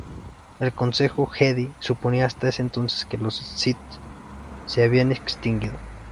El Consejo Jedi suponía hasta ese entonces que los Sith se habían extinguido.